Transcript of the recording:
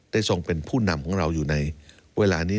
ทรงเป็นผู้นำของเราอยู่ในเวลานี้